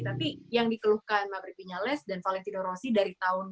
tapi yang dikeluhkan maverick vinales dan valentino rossi dari tahun dua ribu dua